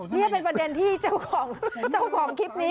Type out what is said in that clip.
นี่เป็นประเด็นที่เจ้าของคลิปนี้